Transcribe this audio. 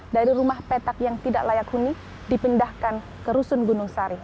dari rumah petak yang tidak layak huni dipindahkan ke rusun gunung sari